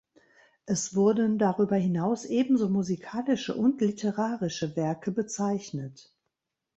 Es wurden darüber hinaus ebenso musikalische und literarische Werke bezeichnet.